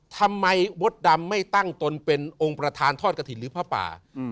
ทำไมมดดำไม่ตั้งตนเป็นองค์ประธานทอดกระถิ่นหรือผ้าป่า